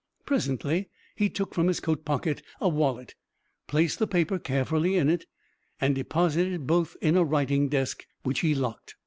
Presently he took from his coat pocket a wallet, placed the paper carefully in it, and deposited both in a writing desk, which he locked.